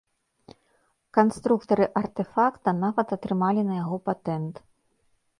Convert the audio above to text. Канструктары артэфакта нават атрымалі на яго патэнт.